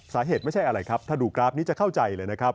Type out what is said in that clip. สาเหตุไม่ใช่อะไรครับถ้าดูกราฟนี้จะเข้าใจเลยนะครับ